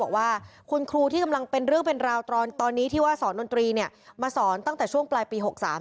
เขาก็เล่าว่าคุณครูที่กำลังเป็นเรื่องเป็นราวตอนตอนนี้ที่ว่าสอนจริงตั้งแต่ช่วงปลายปี๖๓แล้ว